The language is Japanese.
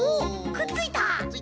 くっついた！